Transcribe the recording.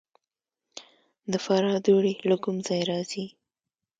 د فراه دوړې له کوم ځای راځي؟